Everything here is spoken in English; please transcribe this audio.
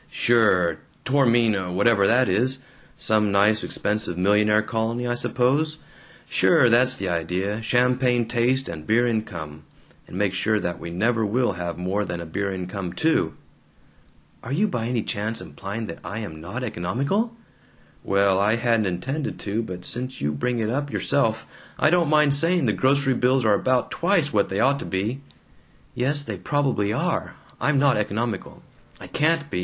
"Sure, Tormina, whatever that is some nice expensive millionaire colony, I suppose. Sure; that's the idea; champagne taste and beer income; and make sure that we never will have more than a beer income, too!" "Are you by any chance implying that I am not economical?" "Well, I hadn't intended to, but since you bring it up yourself, I don't mind saying the grocery bills are about twice what they ought to be." "Yes, they probably are. I'm not economical. I can't be.